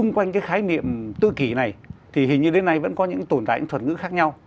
quanh cái khái niệm tự kỷ này thì hình như đến nay vẫn có những tồn tại thuật ngữ khác nhau